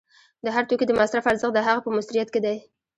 د هر توکي د مصرف ارزښت د هغه په موثریت کې دی